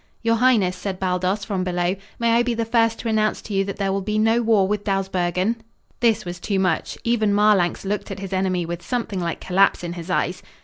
"Your highness," said Baldos from below, "may I be the first to announce to you that there will be no war with Dawsbergen?" This was too much. Even Marlanx looked at his enemy with something like collapse in his eyes.